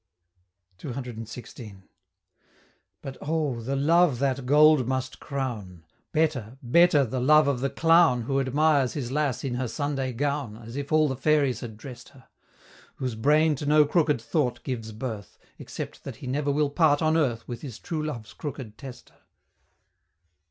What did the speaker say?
CCXVI. But, oh! the love that gold must crown! Better better, the love of the clown, Who admires his lass in her Sunday gown, As if all the fairies had dress'd her! Whose brain to no crooked thought gives birth, Except that he never will part on earth With his true love's crooked tester!